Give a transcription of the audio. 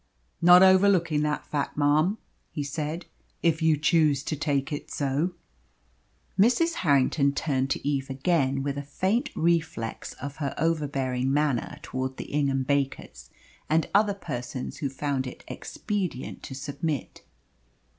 "Not overlooking that fact, marm," he said, "if you choose to take it so." Mrs. Harrington turned to Eve again with a faint reflex of her overbearing manner towards the Ingham Bakers and other persons who found it expedient to submit.